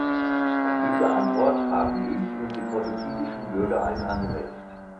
Auf diese Antwort haben ich und die portugiesischen Bürger ein Anrecht.